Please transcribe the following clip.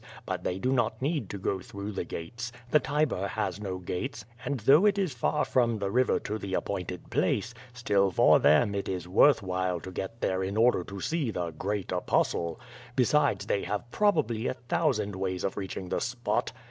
But they do not need to go through the gates. The Tiber has no gates, and though it is far from the river to the appointed place, still for them it is worth while to get there in order to see the 'Great Apostle/ Besides, they have probably a thousand ways of reaching the spot.